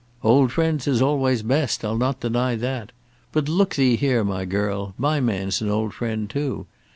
"Old friends is always best, I'll not deny that. But, look thee here, my girl; my man's an old friend too.